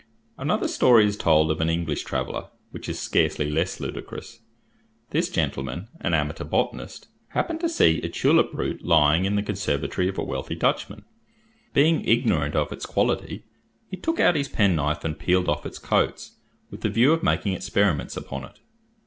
Another story is told of an English traveller, which is scarcely less ludicrous. This gentleman, an amateur botanist, happened to see a tulip root lying in the conservatory of a wealthy Dutchman. Being ignorant of its quality, he took out his penknife, and peeled off its coats, with the view of making experiments upon it.